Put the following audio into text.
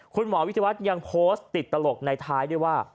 คุณหมอวิทยาวัฒน์ยังโพสต์ติดตลกในท้ายด้วยว่า